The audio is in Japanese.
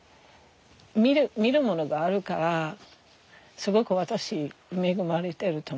見るものがあるからすごく私恵まれてると思う。